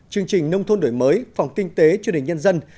chương trình nông thôn đổi mới phòng kinh tế truyền hình nhân dân